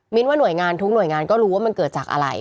ว่าหน่วยงานทุกหน่วยงานก็รู้ว่ามันเกิดจากอะไร